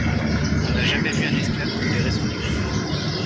On n'a jamais vu un esclave tolérer son négrier.